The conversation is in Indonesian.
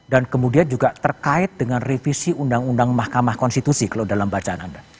dan kemudian juga terkait dengan revisi undang undang penyiaran dan kemudian juga terkait dengan revisi undang undang penyiaran